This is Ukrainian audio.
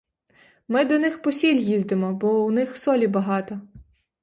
Ми до них по сіль їздимо, бо у них солі багато.